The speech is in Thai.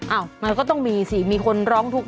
อ้าวมันก็ต้องมีสิมีคนร้องทุกข